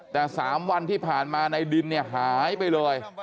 แต่๓วันที่ผ่านมาในดินเนี่ยหายไปเลย